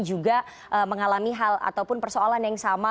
juga mengalami hal ataupun persoalan yang sama